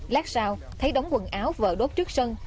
lát sao thấy đóng quần áo vợ đốt trước sân